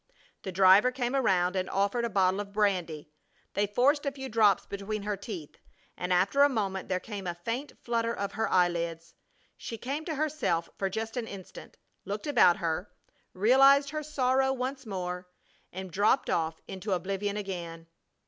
The driver came around and offered a bottle of brandy. They forced a few drops between her teeth, and after a moment there came a faint flutter of her eyelids. She came to herself for just an instant, looked about her, realized her sorrow once more, and dropped off into oblivion again.